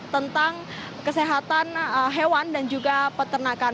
tentang kesehatan hewan dan juga peternakan